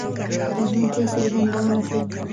د ژمنتيا څرګندونه کوي؛